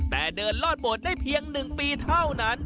แต่เดินลอดโบสถได้เพียง๑ปีเท่านั้น